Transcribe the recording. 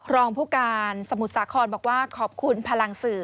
รองผู้การสมุทรสาครบอกว่าขอบคุณพลังสื่อ